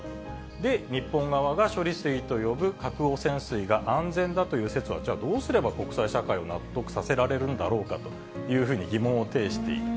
で、日本側が処理水と呼ぶ核汚染水が安全だという説は、じゃあ、どうすれば国際社会を納得させられるんだろうかと疑問を呈している。